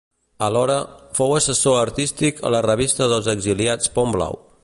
Alhora, fou assessor artístic a la revista dels exiliats Pont Blau.